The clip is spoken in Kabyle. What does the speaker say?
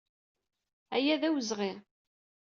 Aya d awezɣi.